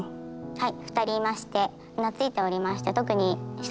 はい。